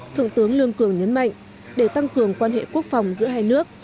thượng tướng lương cường nhấn mạnh để tăng cường quan hệ quốc phòng giữa hai nước